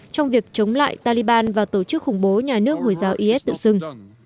trong việc chống lại taliban và tổ chức khủng bố nhà nước ngồi giao is tự xưng